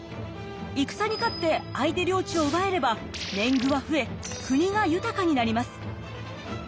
戦に勝って相手領地を奪えれば年貢は増え国が豊かになります。